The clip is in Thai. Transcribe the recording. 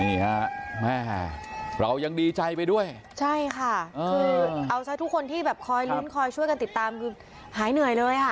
นี่ฮะแม่เรายังดีใจไปด้วยใช่ค่ะคือเอาใช้ทุกคนที่แบบคอยลุ้นคอยช่วยกันติดตามคือหายเหนื่อยเลยค่ะ